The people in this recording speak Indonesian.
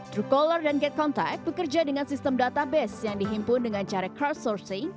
true color dan get contact bekerja dengan sistem database yang dihimpun dengan cara crowdsourcing